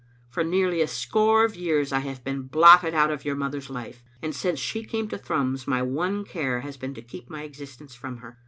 For nearly a score of years I have been blotted out of your mother's life, and since she came to Thrums my one care has been to keep my existence from her.